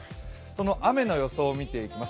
その雨の予想を見ていきます。